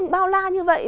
bao la như vậy